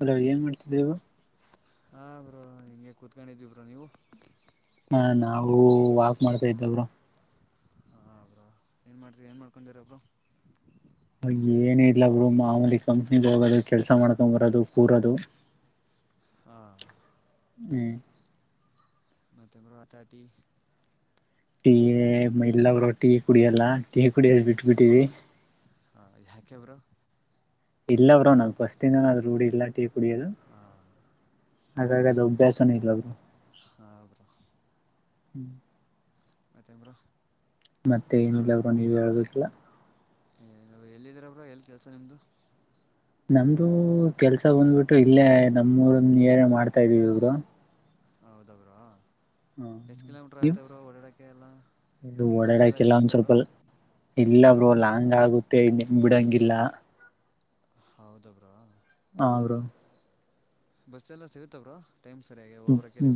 hello ಏನು ಮಾಡ್ತಿದ್ದವು ಹಾ ಬ್ರೋ ಹಿಂಗೆ ಕೂತ್ಕೊಂಡಿದವಿ ಬ್ರೋ ನೀವು ಹಾ ನಾವು ವಾಕ್ ಮಾಡ್ತಾ ಇದ್ದವರು ಏನ್ ಮಾಡ್ತ ಏನ್ ಮಾಡ್ಕೊಂಡಿರೊಬ್ರು ಏನ ಇರ್ಲ ಅವರು ಮಾಮೂಲಿ ಕಂಪ್ನಿಗ್ ಹೋಗೋದು ಕೆಲ್ಸ ಮಾಡಕೊಂಬರೋದು ಕೂರೋದು ಹಾ ಹ್ಮ ಮತ್ತು ತಮರರು ಹತಾಟಿ ಟೀ ಎಲ್ಲರು ಟೀ ಕುಡಿಯಲ್ಲ ಟೀ ಕುಡಿಯದ ಬಿಟ್ಬಿಟ್ಟವಿ ಹ ಯಾಕೆ ಬ್ರೋ ಇಲ್ಲವ್ರೋ ನನ್ ಫಸ್ನಾನ ಅದ ರೂಡಿ ಇಲ್ಲ ಟೀ ಕುಡಿಯೋದು ಹಾಂ ಹಾಗಾಗಿದದು ಅಭ್ಯಾಸನೂ ಇಲ್ಲರು ಹ್ರ ಹ್ಮ್ ಮತ್ತೈ ಬ್ರೋ ಮತ್ತೆ ಏನಿಲ್ಲೋ ನೀವ ಹೇಳ್ಬೇಕಿಲ್ಲ ಏ ನ ಎಲ್ಲಿದ್ದರಬ್ರ ಎಲ್ ಕೆಲ್ಸ ನಿಮ್ದು ನಮ್ದು ಕೆಲ್ಸ ಬಂದ್ಬಿಟ್ಟು ಇಲ್ಲೇ ನಮ್ಮೂರನ್ನ ಏರ ಮಾಡ್ತಾ ಇದೀವಿ ಇರು ಹೌದ ಬ್ರೋ ಎಷ್ಟು ಕಿಲೋಮೀಟ್ರ್ ಆಯತವರು ಓಡಾಡೋಕ್ಕೆ ಎಲ್ಲ ನೀವು ಬಸ್ಸ ಎಲ್ಲ ಓಡಾಡಕ್ಕೆಲ್ಲ ಒಂದ್ ಸಿಗತ ಬ್ರೋ ಸ್ವಲ್ಪ ಇಲ್ಲ ಬ್ರೋ ಲಾಂಗ ಆಗುತ್ತೆ ನಿನ್ ಬಿಡಂಗಿಲ್ಲ ಹೌದ ಬ್ರೋ ಹ ಬ್ರೋ ಬಸ್ ಎಲ್ಲ ಸಿಗತ ಬ್ರ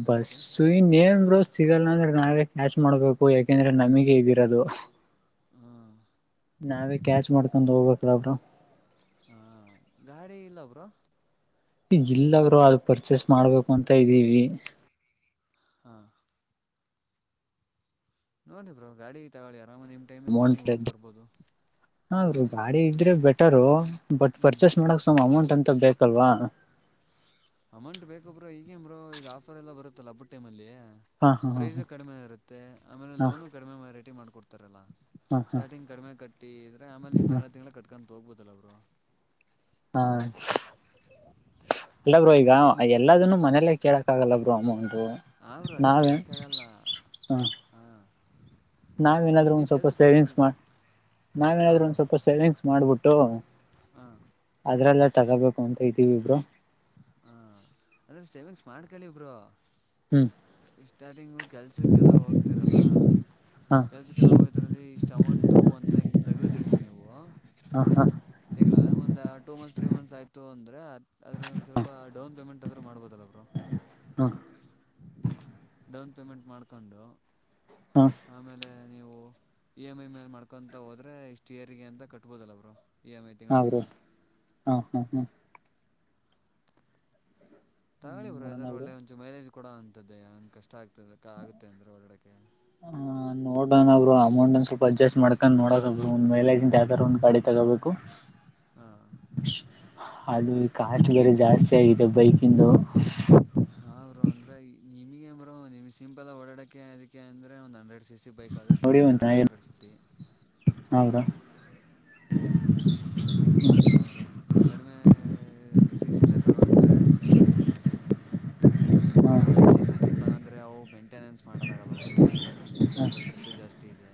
ಬಸ್ಸು ಈ ನೇಮ್ರೋ ಸಿಗಲ್ಲಂದ್ರ ನಾವೆ ಕ್ಯಾಚ್ ಮಾಡ್ಬೇಕು ಯಾಕೆಂದ್ರೆ ನಮಗೆ ಹಗಿರೋದು ಹಾಂ ನಾವೇ ಕ್ಯಾಚ್ ಮಾಡ್ಕೊಂಡು ಹೋಗ್ಬೇಕ್ರ ಅವ್ರ ಹ ಗಾಡಿ ಇಲ್ಲಬ್ರ ಇಲ್ಲಾದರು ಅದು ಪರ್ಚೇಸ್ ಮಾಡ್ಬೇಕು ಅಂತ ಇದೀವಿ ಹಾ ನೋಡಿ ಬ್ರೋ ಗಾಡಿ ತಗೊಳ್ಳಿ ಆರಾಮ ನಿಮ್ ಟೈಮಿಂಗ್ಸ ನೀವು ಹೋಗ್ ಬರ್ಬೋದು ಹರು ಗಾಡಿ ಇದ್ರೆ ಬೆಟರು ಬಟ್ ಹ್ಞೂ ಪರ್ಚೇಸ್ ಮಾಡಕ್ ಅಮೌಂಟ್ ಅಂತ ಬೇಕ ಪಲ್ವಾ ಅಮೌಂಟ್ ಬೇಕೊಬ್ರ ಈಗೇಂಬ್ರ ಈಗ ಆಫರ್ ಎಲ್ಲ ಬರುತ್ತಲ್ಲ ಬಬ್ ಟೈಮ್ ಅಲ್ಲಿ ಹಾ ಹಾ ಹಾ ಪ್ರೈಸ್ ಕಡಿಮೆ ಇರುತ್ತೆ ಆಮೇಲೆ ಹಾ ಲೋನು ಕಡಿಮೆ ಮ ರೈಟಿ ಮಾಡ್ಕೊಡ್ತಾರಲ್ಲ ಹಾ ಹಾ ಸ್ಟಾರ್ಟಿಂಗ್ ಕಡಿಮೆ ಕಟ್ಟಿದ್ರೆ ಆಮೇಲೆ ನೀವು ತಿಂಳು ತಿಂಗಳ ಕಟ್ಕೊು ಹೋಗ್ಬೋದಲ್ಲ ಅವರು ಹಾ ಹಾ ಇಲ್ಲ ಬ್ರೋ ಈಗ ಎಲ್ಲದನ್ನು ಮನೆೇ ಕೇಳಕ್ಕಾಗಲ್ಲ ಬ್ರ ಅಮೌಂಟು ಅವರು ಅದೇ ನಾವೇ ಕೇಳಕ್ ಆಗಲ್ಲ ಹ ಹಾ ನಾವೇನಾದ್ರು ಒಂದ್ ಸ್ವಲ್ಪ ಸೇವಿಂಗ್ಸ್ ಹೋಗ್ತೀವಿ ಮಾಡ ನಾವೇನಾದ್ ಒಂದ್ ಸ್ವಲ್ಪ ಸೇವಿಂಗ್ಸ್ ಮಾಡ್ಬಿಟ್ಟು ಹಾ ಅ್ರಲ್ಲ ತಗೋಬೇಕು ಅಂತ ಇದ್ದೀವಿ ಇಬ್ರು ಹ ಅಂದ್ರೆ ಸೇವಿಂಗ್ಸ್ ಮಾಡ್ಕಳಿ ಬ್ರೋ ಹ್ಮ್ ಇ್ಟಾರ್ಟಿಂಗು ಕೆಲ್ಸಕ್ಕೆಲ್ಲ ಹೋಗ್ತಿರಲ್ಲ ಹಾ ಎಲ್ಸಕ್ಕೆಲ್ಲ ಹೋಗತಲ್ಲಿ ಸ್ಟಮಂಟು ಅಂತ ಹಿಂಗ ತೆಗದಿಟ್ರ ನೀವು ಹಾ ಹಾ ತಿಂಗಳ ಒಂದ ಟೂ ಮಂತ್ಸ್ ತ್ರೀ ಮಂತ್ಸ್ ಆಯ್ತು ಅಂದ್ರ ಅದ್ರದ ಸ್ವಲ್ಪ ಡೌನ್ ಪ ಪೇಮೆಂಟ್ ಆದ್ರೂ ಮಾಡಬೋದಲ್ಲ ಬ್ರರು ಹಾ ಡೌನ್ ಪೇಮೆಂಟ್ ಮಾಡಿಕೊಂಡು ಹಾ ಆಮೇಲೆ ನೀವು ಇ ಎಮ್ ಐ ಮೇಲೆ ಮಾಡ್ಕೊಂತ ಹೋದ್ರೆ ಇಷ್ಟ್ ಏರಿಗೆ ಅಂತ ಕಟ್ಬೋದಲ್ಲ ಅವರು ಹ್ರೀ ಹಾ ಹಾ ಹ್ಮ ತಗೋಳಿ ಬ್ರೋ ಯಾವದಾದ್ರು ಒಳ್ಳೆ ಒಂದ್ಚೂರ್ ಮೈಲೇಜ್ ಕೂಡ ಅಂತದ್ದೇಂಗೆ ಕಷ್ಟ ಆಗ್ತದೆ ಆಗುತ್ತೆ ಅಂದ್ರೆ ಓಡಾಡಕೆ ಅವರು ಅಮೌಂಟ್ ಒನ್ ಸ್ವಲ್ಪ ಅಡ್ಜಸ್ಟ್ ಮಾಡ್ಕೊಂಡ್ ನೋಡೋ ಬುಡು ಒಂದ್ ಮೈಲೈಜ್ ಮೇಲೆ ಯಾವ್ದಾರ ಒಂದು ಗಾಡಿ ತಗೋಬೇಕು ಹಾ ಅದು ಈ ಕಾಸ್ಟ್ ಬೇರೆ ಜಾಸ್ತಿ ಆಗಿದೆ ಬೈಕ್ ಇಂದು ಹ ಬ್ರೋ ಅಂದು ನಿಮ್ಗೆ ಬ್ರೋ ನಿಮ್ ಸಿಂಪಲಾಗ್ ಓಡಕಕ್ಕೆ ಅದಕ್ಕೆ ಅಂದೆ ಒಂದ್ ಹಂಡ್ರೆಡ್ ಸಿ ಸಿ ಬೈಕ್ ಕಾದ್ರ ನೋಡಿ ಸಾಕು ಒಂದ್ ಹಂಡ್ರೆಡ್ ಟೂ ಚೆನ್ನಾಗಿರೋ ಹಂಡ್ರೆಡ್ ಫಿಫ್ಟಿ ಹ ಅವರು ಕಡಿಮೆ ಸ ಸಿಲೆ ತಗೊಂಡ್ರೆ ಚೆನಾಗ್ ಅಯ್ತೆ ಸುಮನೆ ಜಾಸ್ತಿ ಸೀಸನ್ ಅಂದ್ರೆ ಅವು ಮೈಂಟೆನೆನ್ಸ್ ಮಾಡೋದಾಗಲ್ಲ ಅವರು ಈಗ ಇದ್ರಲ್ಲಿ ಪೆಟ್ರೋಲ್ ರೇಟು ಜಾಸ್ತಿ ಸ್ತಿ ಇದೆ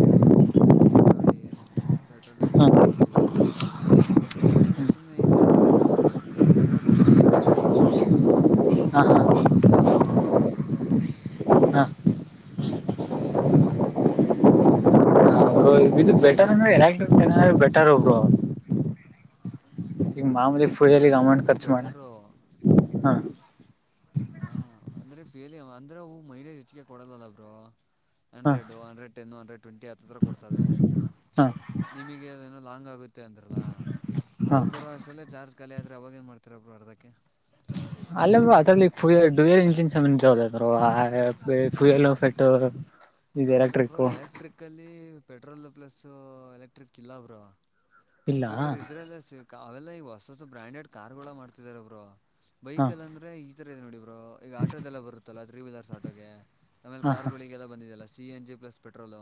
ಇಲ್ಲ ಬ್ರೋ ನೋಡಿ ತಗೊಳ್ಳಿ ಪೆಟ್ರೋಲ್ ರೇಟ್ ಜಾಸ್ತಿ ಇದೆಯಲ್ಲ ಇಲ್ಲಾಂದ್ರೆ ಸುಮನೆ ಈ ತರ ತಗಲಿ bro petrol plus C N G ಗಾಡಿ ಇದ್ದಾವೆ ಹಾ ಹಾ ಇಲ್ಲ ಎಲೆಕ್ಟ್ರಿಕ್ ಬರುತ್ತೆ ಹಾ ನೋಡಿ ಯಾವ ತರ ತಗೊಳ್ತೀರಾ ಹಾ ಬ್ರೋ ಇದು ಬೆಟರ್ ಅಂದ್ರೆ ಬೆಟರ್ ಬ್ರೋ ಈಗ ಮಾಮೂಲಿ ಬ್ರೋ ಪುಜಲ್ಲಿ ಅಮಂಟ್ ಎಲೆಕ್ಟ್ರಿಕ್ಕು ಖರ್ಚು ಮಾಡ ಬೆಟರು ಹ ಹ ಅಂದ್ರೆ ಫೇಲ್ ಅಂದ್ರೆ ಹೂವು ಮೈಲೇಜ್ ಹೆಚ್ಚಿಗೆ ಕೊಡಲವಲ್ಲ ಬ್ರೋ ಹಾ hundred hundred ten hundred twenty ಹತ್ತ ಹತ್ರ ಕೊಡ್ತವೆ ಹಾ ನಿಮಗೆನ ಲಾಂಗ್ ಆಗುತ್ತೆ ಅಂದ್ರಲ್ಲ ಹಾ ಹೋಗ್ ಬರುವಷ್ಟ್ರಲ್ಲೇ ಚಾರ್ಜ್ ಕಾಲಿ ಆದ್ರೆ ಅವಾಗ ಏನ್ ಮಾಡ್ತೀರಾ ಬ್ರೋ ಅರ್ಧಕ್ಕೆ ಅಲ್ಲ ಅದ್ರಲ್ಲಿ ಫ್ಯೂಯ ಡುಯಲ್ ಇಂಜಿನ್ ಇದು ಅಂದ್ರೆ ಬ್ರೋ ಎಲೆಕ್ಟ್ರಿಕ್ ಎಲೆಕ್ಟ್ರಿಕ್ ಅಲ್ಲಿ ಪೆಟ್ರೋಲ್ ಪ್ಲಸ್ ಎಲೆಕ್ಟ್ರಿಕ್ ಇಲ್ಲ ಬ್ರೋ ಇಲ್ಲ ಬೇಕರೆ ಇದ್ರೆಲ್ಲೆ ಅವೆಲ್ಲ ಈಗ ಹೊಸ ಹೊಸ ಬ್ರಾಂಡೆಡ್ ಕಾರ್ ಗಳ ಮಾಡ್ತಿದಾರೆ ಬ್ರೋ ಹಾ ಬೈಕ್ಲ್ ಅಂದ್ರೆ ಈ ತರ ಇ ನೋಡಿ ಈಗ ಆಟೋದೆಲ್ಲ ಬರುತ್ತಲ್ಲಾ ತ್ರೀ ವೀಲರ್ಸ್ ಆಟೋಗೆ ಆಮೇಲೆ ಹಾ ಹಾ ಕಾರ್ಗಳಿಗೆಲ್ಲ ಬಂದಿದಲ್ಲ ಸಿ ಎನ್ಜಿ ಪ್ಲಸ್ ಪೆಟ್ರೋಲ್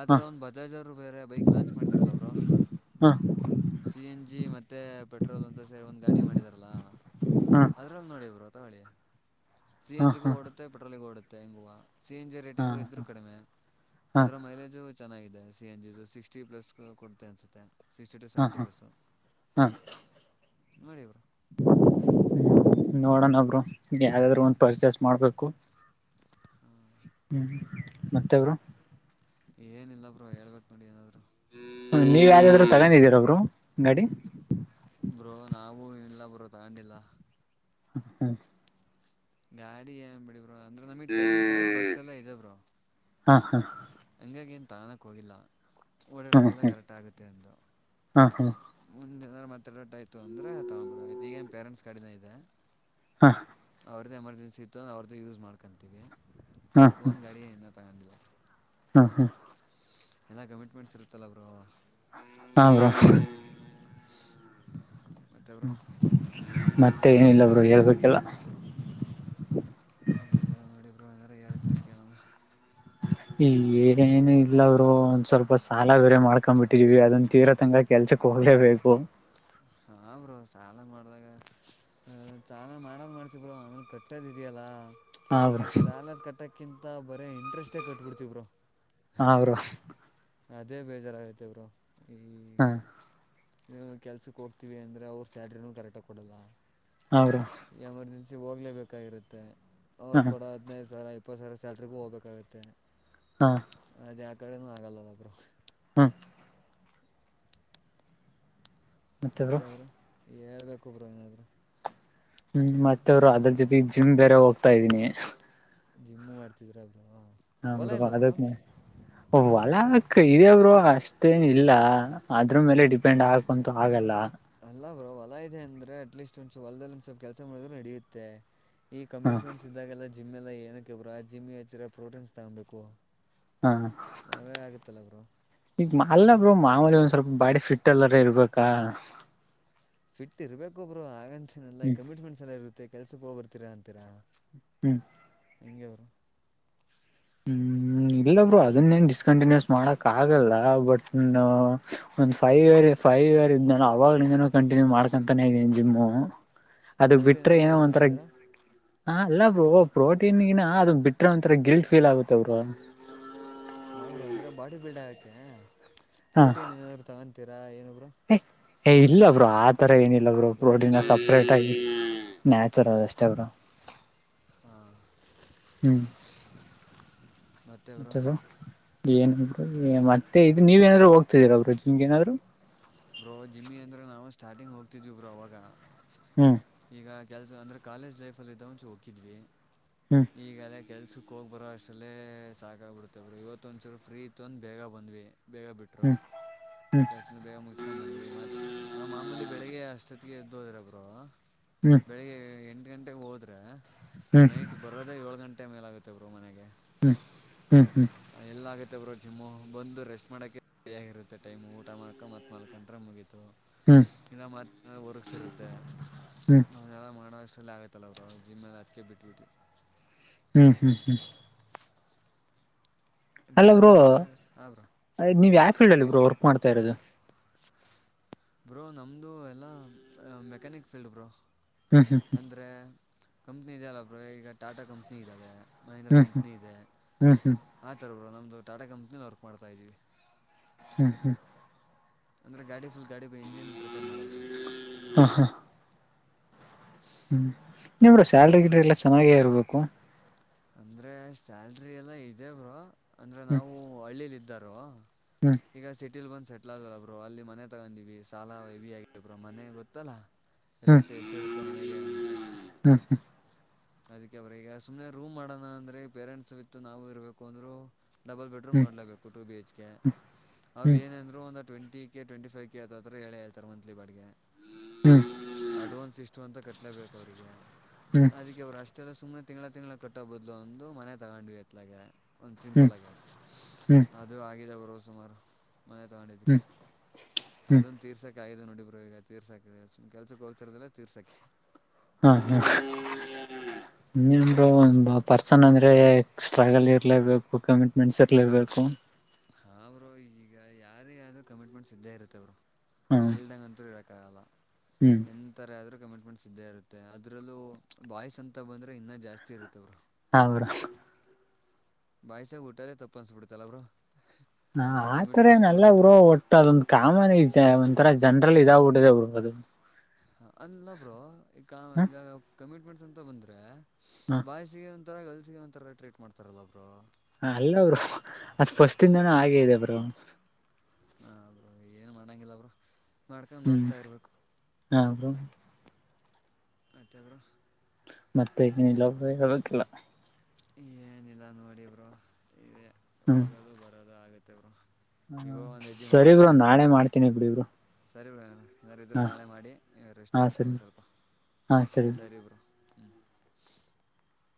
ಆ ಹಾ ಥರ ಒಂದು ಬಜಾಜ್ ಅವ್ರು ಬೇರೆ ಬೈಕ್ ಲಾಂಚ್ ಮಾಡಿದಾರಲ್ಲ ಬ್ರೋ ಹಾ ಸಿ ಎನ್ ಜಿ ಮತ್ತೆ ಪೆಟ್ರೋಲ್ ಅಂತ ಸೇರಿ ಒಂದ್ ಗಾಡಿ ಮಾಡಿದಾರಲ್ಲ ಅದ್ರಲ್ಲಿ ನೋಡಿ ರುತ್ತಿ ಸಿ ಹಾ ಹಾ ಹಾ ಎನ್ ಜಿಗೂ ಹಾ ಓಡುತ್ತೆ ಪೆಟ್ರೋಲ್ಗ ಓಡುತ್ತೆ ಹೆಂಗೂ ಸಿ ಎನ್ ಜಿ ರೇಟಿಂಗು ಇದ್ರು ಕಡಿಮೆ ಹಾ ಅದ್ರ ಮೈಲೇಜು ಚೆನ್ನಾಗಿದೆ C N G sixty plus ಕೊಡುತ್ತೆ ಅನ್ಸುತ್ತೆ ಸಿಕ್ಸ್ಟಿ ಟು ಹಾ ಹಾ ಸೆವೆಂಟಿ ಹಾ ಪ್ಲಸ್ಸು ನೋಡಿ ಬ್ರೋ ನೋಡೋಣ ಬ್ರೋ ಯಾವಾದ್ರರು ಒಂದು ಪರ್ಚೇಸ್ ಮಾಡ್ಬೇಕು ಹ್ಮ್ ಮತ್ತೆ ಬ್ರೋ ಏನ್ ಇಲ್ಲ ಬ್ರೋ ಹೇಳ್ಬೇಕ್ ನೋಡಿ ಏನಾದ್ರು ನೀವ್ ಯಾರಾದ್ರರು ತಗೊಂಡಿದ್ದೀರ ಬ್ರೋ ಗಾಡಿ ಬ್ರೋ ನಾವು ಇಲ್ಲ ಬ್ರೋ ತಗೊಂಡಿಲ್ಲ ಹ ಹ್ಮ ಗಾಡಿ ಏನ್ ಬಿಡಿ ಬ್ರೋ ಅಂದ್ರೆ ನಮಗ್ ಟೈಮಿಂಗ್ ಸರಿಯಾಗಿ ಬಸ್ ಎಲ್ಲಾ ಇದೆ ಬ್ರೋ ಹಾ ಹಾ ಹಂಗಾಗಿ ಏನು ತಗಲಕ್ಕ್ ಹೋಗಿಲ್ಲ ಹ್ಮ್ ಓಡಾಡೋಕ್ಕೆಲ್ಲ ಹ್ಮ್ ಕರೆಕ್ಟ್ ಆಗುತ್ತೆ ಅಂತ ಹಾ ಹಾ ನಿ ಮತ್ತೆ ಆಯತು ಅಂದ್ರೆ ತಗಬುಡನ ಈಗ ಏನ್ ಪೇರೆಂಟ್ಸ್ ಗಾಡಿನೆ ಇದೆ ಹಾ ಅವ್ರದ್ದೇ ಎಮರ್ಜೆನ್ಸಿ ಇತ್ತು ಅಂದ್ರೆ ಅವ್ರದ್ದೇ ಯೂಸ್ ಮಾಡ್ಕೊತೀವಿ ಹಾ ಹಾ ಹೋನ್ ಗಾಡಿ ಏನೂ ತೊಗೊಂಡಿಲ್ಲ ಹ ಹಾ ಎಲ್ಲ ಕಮಿಟ್ಮೆಂಟ್ಸ್ ಇರುತ್ತಲ್ಲ ಬ್ರೋ ಆ್ರ ಮತ್ತೆ ಬ್ರೋ ಮತ್ತೆ ಏನಿಲ್ಲಬ್ರು ಹೇಳ್ಬೇಕಲ್ಲ ಏರ ನೋಡಿಬ್ಬಾಯಂದರೆಯಾಲಯಕ್ಕ ಈ ಏನೇನು ಇಲ್ಲ ಅವರು ಒಂದ್ ಸ್ವಲ್ಪ ಸಾಲ ಬೇರೆ ಮಾಡ್ಕೊಂಡ್ ಬಿಟ್ಟಿದಿವವಿ ಅದನ್ ತೀರ ತಂಗ ಕೆಲ್ಸ ಕ ಹಲೇಬೇಕಗು ಹಾ ಬ್ರೋ ಚಾಲ ಮಾಡ್ದಾಗ ಚಾಲ ಮಾಡದ ಮಾಡ್ತವ್ರೋ ಆಮೇನ್ ಕಟ್ಟದ ಇದ್ಯಲ್ಲಾ ಹಾ ಬ್ರೋ ಅಷ್ಟ್ ಸಾಲದ ಕಟ್ಟೋಕ್ಕಿಂತ ಬರೇ ಇಂಟ್ರೆಸ್ಟೇ ಕಟ್ಬಿಡ್ತವರು ಹೌರು ಅದೇ ಬೇಜಾರಾಗತೆ ಇಬ್ರು ಈ ಹಾ ಕೆಲ್ಸಕ್ಕೆ ಹೋಗ್ತೀವಿ ಅಂದ್ರೆ ಅವ್ರ ಸ್ಯಾಲ್ರಿ ಕರೆಕ್ಟ್ಾಗಿ ಕೊಡಲ್ಲ ಹಾ ಬ್ರೋ ಎಮರ್ಜೆನ್ಸಿ ಹೋಗ್ಲೇಬೇಕಾಗಿರುತ್ತೆ ಅವ್ರು ಹಾ ಕೂಡ ಹದಿನೈದು ಸಾವಿರ ಇಪ್ಪತ್ತು ಸಾವಿರ ಸ್ಯಾಲ್ರಿಗೂ ಹೋಗ್ಬೇಕಾಗತ್ತೆ ಹಾ ಕಡೆನೂ ಆಗಲ್ಲಲ್ಲ ಬ್ರರು ಹಾ ಮತ್ತೆ ಬ್ರೋ ಮತ್ತೆಬ್ರು ಹೇಳ್ಬೇಕುಬ್ ಬರು ಏನಾದ್ರು ಹ್ಮ್ ಮತ್ತೆ ಅವರು ಅದ್ರ ಜೊತೆ ಜಿಮ್ ಬೇರೆ ಹೋಗ್ತಾ ಇದ್ದೀನಿ ಜಿಮ್ಮ್ ಮಾಡ್ತಿದ್ರ ಹ ಅದ ಒೆ ಆ ಇದೇಬ್ರು ಅಷ್ಟೇನ ಇಲ್ಲ ಅದ್ರ ಮೇಲೆ ಡಿಪೆಂಡ್ ಆಗ್ಕಂತು ಆಗಲ್ಲ ಅಲ್ಲ ಬ್ರೋ ಹೊಲ ಇದೆ ಅಂದ್ರೆ ಅಟ್ಲೀಸ್ಟ್ ಒಂದಸ ಹೊಲದಲ್ಲಿ ಒಂದ್ ಸ್ವಲ್ಪ ಕೆಲಸ ಮಾಡಿದ್ರರು ನಡೆಯುತ್ತೆ ಈ ಹಾ ಕಮಿಟ್ಸ್್ಮೆಂಟ್ ಇದ್ದಾಗೆಲ್ಲ ಜಿಮ್ ಎಲ್ಲ ಏನಕ್ಕೆ ಇಬ್ರರು ಆ ಜಿಮ್ ಹಚ್ಚಿರ ಪ್ರೋಟೀನ್ಸ್ ತಗೊ್ಬೇಕು ಹಾ ಅದೇ ಆಗತ್ತಲ್ಲಬ್ರು ಮಾ ಅಲ್ಲಬ್ರು ಮಾಮೂಲಿ ಒಂದ್ ಸ್ವಲ್ಪ ಬಾಡಿ ಫಿಟ್ ಅಲ್ಲರ ಇರ್ಬೇಕಾ ಫಿಟ್ ಇರಬೇಕೊಬ್ರು ಆಗಂತೆಲ್ಲ ಹ್ಮ್ ಕಮಿಟ್ಮೆಂಟ್ಸ್ ಎಲ್ಲ ಇರುತ್ತೆ ಕೆಸಕ್ಕೆ ಹೋಗ ಬರ್ತೀರಾ ಅಂತೀರಾ ಹ್ಮ [inaudible] ಅಂಗರು ಹ್ಮ ಇಲ್ಲ ಬರು ಅದನ್ನೇನ್ ಡಿಸ್ಕಂಟಿನ್ಯೂಸ್ ಮಾಡಕ್ ಆಗಲ್ಲ ಬಟ್ ಒಂದು ಫೈವ್ ಇರ್ ಫೈವ ಕೈವಾರ ಇದ ನಾನು ಅವವಾಗಲಿಂದನು ಕಂಟಿನ್ಯೂ ಮಾಡ್ಕೊಂತಾನೇ ಇದೀನಿ ಜಿಮ್ಮು ಅದ ಪ್ರೋಟೀನ್ ಬಿಟರೆೆ ಎಲ್ಲ ಏನೋ ಯೂಸ್ ಒಂಥರ ಮಾಡ್ತೀರಾ ಹ ಅಲ್ಲ ಬರು ಪ್ರೋಟೀನ್ಗಿನ ಅದನ್ನ ಬಿಟ್ರೆ ಒಂಥರ ಗಿಲ್ಟ್ ಫೀಲ್ ಆಗುತ್ತೆ ಬರು ಹರು ಅಂದ್ರೆ ಬಾಡಿ ಬಿಲ್ಡ್ ಆಗೋಕ್ಕೆ ಹಾ ಪ್ರೋಟೀನ್ ಏನಾದ್ರು ತಗೊತೀರಾ ಏನೊಬ್ರು ಏ ಇಲ್ಲ ಅವ್ರರು ಆ ತರ ಏನಿಲ್ಲ ಅವರು ಬರೀ ಪ್ರೋಟೀನ ನ್ಯಾಚುರಲ್ ಬಿಲ್ಡ್ ಅಷ್ಟೇ ಸಪ್ರೇಟಾಗಿ ನ್ಯಾಚುರಲ್ ಅಷ್ಟೆ ಅವರು ಹ್ಮ್ [unintelligible] ಮತ್ತೆ ಮಟ ಬ್ರೋ ಏನ ಬರು ಮತ್ತೆ ಇದು ನೀವೇಏನಾದರೂ ಹೋಗ್ತಿದ್ದೀರಾ ಬರು ನಿಮ್ಗೇಏನಾದರೂ ಬ್ರೋ ಜಿಮ್ಮಿ ಅಂದ್ರೆ ನಾವು ಸ್ಟಾರ್ಟಿಂಗ್ ಹೋಗ್ತಿದ್ವಿ ಬ್ರೋ ಅವಾಗ ಹ್ಮ್ ಈಗ ಕೆಲಸ ಅಂದ್ರೆ ಕಾಲೇಜ್ ಲೈಫಲ್ಲಿ ಇದ್ದ ಒಂಚು ಹೋಗಿದ್ವಿ ಹ್ಮ್ ಈಗಲೇ ಕೆಲ್ಸಕ್ಕೆ ಕ ಹೋಗಿ ಬರೋ ಅಸಲ್ಲೇ ಸಾಕಾಗಾಗಿ್ಬಿಡ್ುತ್ತೆ ಬರು ಇವತ್ತು ಒಂದುಚೂರು ಫ್ರೀ ಇತ್ತು ಅಂದು ಬೇಗ ಬಂದ್ವಿ ಬೇಗ ಬಿಟ್ಟರು ಹ್ಮ್ ಹ್ಮ್ ಗ್ಯಸ್ನ್ನ ಬೇಗ ಮುಗಿಸ್ಕೊಂಡ್ ಬಂದ್ವಿ ಮತ್ತು ನಾವು ಮಾಮೂಲಿ ಬೆಳಿಗ್ಗೆ ಅಷ್ಟೊತ್ತಿಗೆ ಎದ್ದು ಹೋದ್ರಬರು ಹ್ಮ್ ಬೆಳಿಗ್ಗೆ ಎಂಟು ಗಂಟೆಗೆ ಹೋದ್ರೆ ನೈಟ್ ಬರೋದೇ ಏಳು ಗಂಟೆ ಮೇಲಾಗುತ್ತೆ ಬ್ರೋ ಮನೆಗೆ ಹ್ಮ ಹ್ಮ್ ಹ್ಮ ಮತ್ತಬ್ರು ಜಿಮ್ಮು ಬಂದು ರೆಸ್ಟ್ ಮಾಡೋಕ ರ ಆಾಗಿಿರುತ್ತೆ ಟೈಮ್ ಊಟ ಮಾಡಕ ಮತ್ ಮಲ್ಕಂ್ರೆ ಮುಗೀತು ಹ್ಮ್ ಇಲ್ಲತ್ರ ವರ್ಸರುತ್ತೆ ಹ್ಮ್ ಅವನ್ನಲ್ಲ ಮಾಡ ಆಗೈತಲ್ಲ ಅವರು ಜಿಮ್ಮಲ್ಲಿ ಅಟ್ಿಕೆ ಬಿಟ್ುಬಿಟ್ಟು ಹ್ಮ್ ಹ್ಮ್ ಹ್ಮ್ [unintelligible] ಹಲೋ ಬೇಗ ಬ್ರೋ ಬರೋದಾದ್ರೆ ಹಾಂ ಬ್ರೋ ನೀವು ಯಾವ ಫೀಲ್ಡಲ್ಲಿ ಬರರು ವರ್ಕ್ ಮಾಡ್ತಾ ಇರೋದು ಬ್ರೋ ನಮ್ದ ಎಲ್ಲ ಮೆಕ್ಯಾನಿಕ್ ಫೀಲ್ಡ್ ಬ್ರೋ ಹ್ಮ್ ಅಂದ್ರೆ ಕಂಪ್ನಿ ಇದೆಯ ಅಲ್ಲ ಬ್ರೋ ಈಗ ಟಾಟಾ ಕಂಪ್ನಿ ಇದ್ದಾವೆ ಮಹೇಂದ್ರ ಹ್ಮ್ ಕಂಪ್ನಿ ಇದೆ ಹ್ಮ್ ಹ್ಮ್ ಆ ಥರ ಬ್ರೋ ನಮ್ಮದು ಟಾಟಾ ಕಂಪ್ನಿನ ವರ್ಕ್ ಮಾಡ್ತಾಯ್ದೀವಿ ಹ್ಮ ಹ್ಮ್ ಅಂದ್ರೆ ಗಾಡಿ ಫುಲ್ ಗಾಡಿ ಇಂಜಿನ್ ಪ್ರಿಪೇರ್ ಮಾಡೋದು ಹ ಹಾ [inaudible] ಹ್ಮ್ ನಿಮ್ದು ಸ್ಯಾಲರಿ ಗಿಲ್ರಿ ಎಲ್ಲ ಚೆನ್ನಾಗೇ ಇರ್ಬೇಕು ಅಂದ್ರೆ ಸ್ಯಾಲ್ರಿ ಎಲ್ಲಾ ಇದೆ ಬ್ರೋ ಅಂದ್ರೆ ಹ್ಮ್ ನಾವು ಹಳ್ಳಿಯಲ್ಲಿ ಇದ್ದಾರ ಹ್ಮ್ ಈಗ ಸಿಟಿಲ್ ಬಂದ್ ಸ [unintelligible] [unintelligible] ಇಲ್ಲ ಬ್ರೋ ಅಲ್ಲಿ ಮನೆ ತಗೊಂಡಿವವಿ ಸಾಲ ಎವಿ ಆಗ ಬ್ರೋ ಮನೆ ಗೊತ್ತಲ್ಲಾ ಹ್ಮ್ ರೇಟ್ ಎಷ್ಟಿರುತ್ತೆ ಮನೆಗೆ ಅಂತ ಅದಕ್ಕೆ ಬ್ರೋ ಈಗ ಸುಮ್ಮನೆ ರೂಮ್ ಮಾಡೋಣ ಅಂದ್ರೆ ಪೇರೆಂಟ್ಸ್ ವಿತ್ತು [unintelligible] ನಾವು ಇರ್ಬೇಕು ಅಂದ್ರು ಡಬಲ್ ಬೆಡ್ರೂಮ್ ಹ್ಮ್ ನೋಡ್ಲೇಬೇಕು ಟು ಬಿ ಎಚ್ ಕೆ ಅವವು ಹ್ಮ್ ಹ್ಮ್ ಏನಂದರೂ ಒಂದು twenty [unintelligible] K twenty five K ಹೇಳ ಹೇಳ್ತಾರೆ ಮತ್ಲಿ ಬಾಡಿಗೆ ಹ್ಮ್ ಅಡ್ವಾನ್ಸ್ ಎಷ್ಟು ಅಂತ ಕಟ್ಲೇಬೇಕು ಅವರಿಗೆ ಅದಕ್ಕೆ ಅವ್ರು ಅಷ್ಟೆಲ್ಲ ಸುಮ್ನೆ ತಿಂಗಳ ತಿಂಗಳ ಕಟ್ಟೋ ಬದ್ಲು ಒಂದು ಮನೆ ತಗೊಂಡ್ವಿ ಎತ್ಲಗೆ ಒಂದು ಹ್ಮ್ ಸಿಂಪಲಗೆ ಹ್ಮ್ ಅದು ಆಗಿದೆ ಅವರು ಸುಮಾರು ಮನೆ ಹ್ಮ್ ತೊಗೊಂಡಿದ್ದಕ್ಕೆ ಹ್ಮ್ ಅದೊಂದು ತೀರ್ಸೋಕ್ಕೆ ಆಗಿದೆ ನೋಡಿ ಬರು [unintelligible] [unintelligible] ಯೋಗ ತೀರ್ಸಾಕು್ ಕೆಲ್ಸಕ್ಕೆ ಹೋಗ್ತಿರದಲ್ಲ ತೀರ್ಸಾಕೆ ಹ್ಮ ಹಾ [unintelligible] [unintelligible] ಇನ್ನನ್ರು ಒಂದು ಪರ್ಸನ್ ಅಂದ್ರೆ ಸ್ಟ್ರಗಲ್ ಇರ್ಲೇಬೇಕು ಕಮಿಟ್ಮೆಂಟ್ಸ್ ಇರ್ಲೇಬೇಕು ಹಾ ಬ್ರೋ ಈಗ ಯಾರಿಗಾದ್ರೂ ಕಮಿಟ್ಮೆಂಟ್ಸ್ ಇದ್ದೆ ಇರುತ್ತೆ ಹಲ್ವಾ ಹಾ ಇಲ್ದಂಗ ಅಂತೂ ಇರ [unintelligible] ಕಾ [unintelligible] ಲ ಹ್ಮ್ ಎಂಥರ ಆದ್ರೂ ಕಮಿಟ್ಮೆಂಟ್ಸ್ ಇದ್ದೇ ಇರುತ್ತೆ ಅದ್ರಲ್ಲೂ ಬಾಯ್ಸ್ ಅಂತ ಬಂದ್ರೆ ಇನ್ನ ಜಾಸ್ತಿ ಇರುತ್ತೆ ಅವರು ಹಾ ಬ್ರೋ ಬಾಯ್ಸಾಗ ಊಟದೇ ತಪ್ಪ ಅನ್ಸ್ಬಿಡ್ತಲ್ಲ ಬ್ರೋ ಹ ಈ ಆತರ ಕಮಿಟ್ಮೆಂಟ್ಸ್ ಏನಲ್ಲ ನೋಡಿಬಿಟ್ರೆ ಬ್ರೋ ಒಟ್ಟು ಅದೊಂದ ಕಾಮನ್ ಇರುತ್ತೆ ಒಂದು [unintelligible] ಥರ ಜನ್ರಲ್ ಇದಾಗ ಬಿಟ್ಟಿದೆ ಬ್ರೋ ಅದು ಹ ಅಲ್ಲ ಬ್ರೋ ಈ ಹ ಈಗ ಕಮಿಟ್ಮೆಂಟ್ಸ್ ಅಂತ ಬಂದ್ರೆ ಹ ಬಾಯ್ಸಿಗೆ [unintelligible] ಒಂರ ಗಲ್ಸಿಗೆ ಒಂಥರ ಟ್ರೀಟ್ ಮಾಡ್ತಾರಲ್ಲ ಬ್ರೋ ಹ ಅಲ್ಲ ಬ್ರೋ ಫಸ್ಟ್ ಇಂದನು ಹ ಹಾಗೆ ಇದೆ ಬ್ರೋ ಹ ಬ್ರೋ ಏನು ಮಾಡಂಗಿಲ್ಲ ಹ್ಮ್ ಹ ಬ್ರೋ ಮತ್ತ ಬ್ರೋ ಮತ್ತೆ ಇನ್ನೇನಿಲ್ಲ ಹೇಳಬೇಕು [unintelligible] ಏನು ಇಲ್ಲ ನೋಡಿ ಬ್ರೋ ಇವೆ [unintelligible] ಹ್ಮ್ ಅದು ಆಗತ್ತೆ ಬ್ರೋ ಈಗ ಹ ಒಂದು ಹೆಜ್ಜೆ ಸರಿ ಬ್ರೋ ಮಲಗ್ತೀನಿ ನಾಳೆ ಮಾಡ್ತೇನಿ ಬಿಡಿ ಬ್ರೋ ಸರಿ ಬ್ರೋ ಏನಿದ್ದರೂ ಹಾ ನಾಳೆ ಮಾಡಿ ರೆಸ್ಟ್ ಹಾ ಮಾಡ್ತೀವಿ ಸರಿ ಒಂದ ಸ್ವಲ್ಪ ಹಾ ಸರಿ [inaudible]